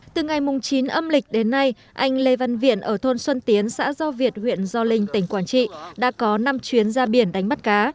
từ ngày chín âm lịch đến nay anh lê văn viện ở thôn xuân tiến xã do việt huyện do linh tỉnh quảng trị đã có năm chuyến ra biển đánh bắt cá